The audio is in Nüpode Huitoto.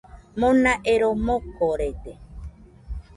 Mona ero mokorede.